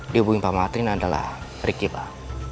di hubungi pak matrin adalah ricky pak